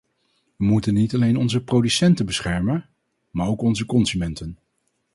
We moeten niet alleen onze producenten beschermen, maar ook onze consumenten.